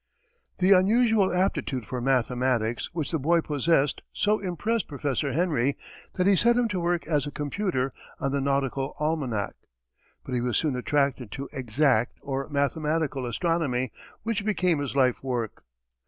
The unusual aptitude for mathematics which the boy possessed so impressed Prof. Henry, that he set him to work as a computer on the Nautical Almanac; but he was soon attracted to "exact," or mathematical astronomy, which became his life work.